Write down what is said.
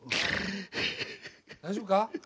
大丈夫か？